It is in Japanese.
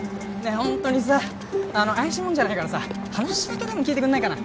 ホントにさ怪しいもんじゃないからさ話だけでも聞いてくんないかな？